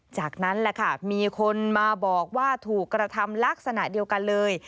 จากนั้นแหละค่ะมีคนมาบอกว่าถูกกระทำลักษณะเดียวกันเลย